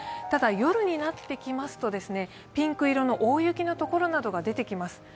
ただ夜になってきますとピンク色の大雪の所などが出てきます。